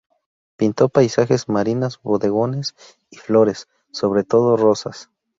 Pintó paisajes, marinas, bodegones y flores, sobre todo rosas.